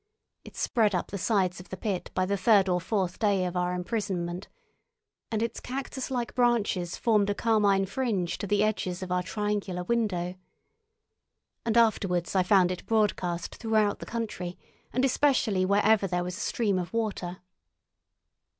It spread up the sides of the pit by the third or fourth day of our imprisonment, and its cactus like branches formed a carmine fringe to the edges of our triangular window. And afterwards I found it broadcast throughout the country, and especially wherever there was a stream of water.